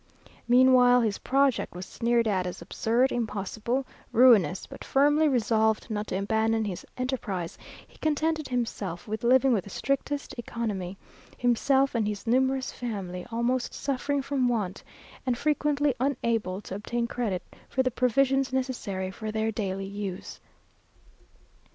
Meanwhile his project was sneered at as absurd, impossible, ruinous; but, firmly resolved not to abandon his enterprise, he contented himself with living with the strictest economy, himself and his numerous family almost suffering from want, and frequently unable to obtain credit for the provisions necessary for their daily use.